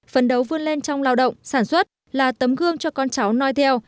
phấn đấu vươn lên trong lao động sản xuất là tấm gương cho con cháu nói theo